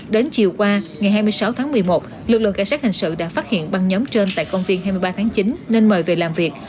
đến chiều qua ngày hai mươi sáu tháng một mươi một lực lượng cảnh sát hình sự đã phát hiện băng nhóm trên tại công viên hai mươi ba tháng chín nên mời về làm việc